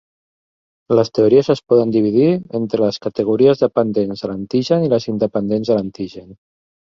Les teories es poden dividir entre les categories dependents de l'antigen i independents de l'antigen.